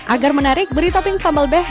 agar menarik beri topping sambal beh